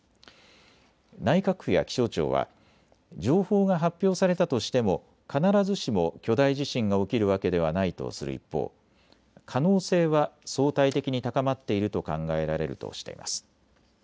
内閣府や気象庁は情報が発表されたとしても必ずしも巨大地震が起きるわけではないとする一方、可能性は相対的に高まっていると考えられるとしています。